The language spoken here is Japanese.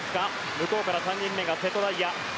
向こうから３人目が瀬戸大也。